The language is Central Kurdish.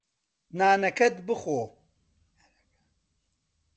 نانەکەت بخۆ.